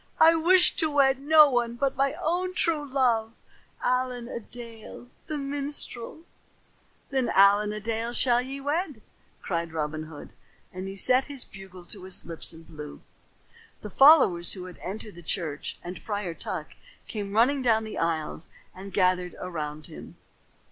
"I wish to wed no one but my own true love, Allen a Dale the minstrel." "Then Allen a Dale ye shall wed," cried Robin Hood, and set his bugle to his lips and blew. The followers who had entered the church and Friar Tuck came running down the aisles and gathered around him.